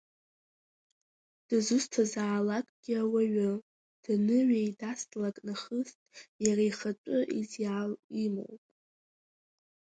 Дызусҭазаалакгьы ауаҩы даныҩеидаслак нахыс, иара ихатәы идеиал имоуп.